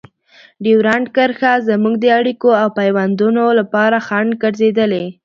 ډیورنډ کرښه زموږ د اړیکو او پيوندونو لپاره خنډ ګرځېدلې.